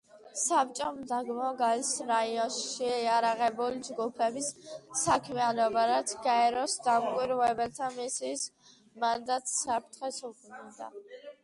საბჭომ დაგმო გალის რაიონში შეიარაღებული ჯგუფების საქმიანობა, რაც გაეროს დამკვირვებელთა მისიის მანდატს საფრთხეს უქმნიდა.